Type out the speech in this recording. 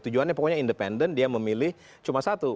tujuannya pokoknya independen dia memilih cuma satu